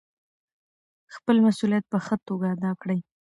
خپل مسوولیت په ښه توګه ادا کړئ.